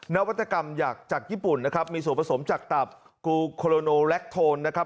นวัตกรรมอยากจากญี่ปุ่นนะครับมีส่วนผสมจากตับกูโคโลโนแลคโทนนะครับ